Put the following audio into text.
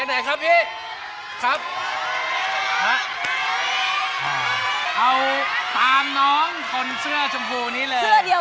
เอาตามน้องคนเสื้อชมพูนี้เลย